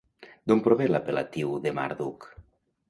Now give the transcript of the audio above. D'on prové l'apel·latiu de Marduk?